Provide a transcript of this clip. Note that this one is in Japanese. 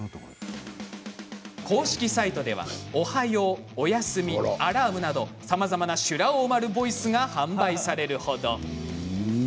公式サイトでは、おはようおやすみ、アラームなどさまざまな修羅王丸ボイスが販売される程。